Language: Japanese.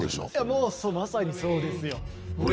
もうまさにそうですよ。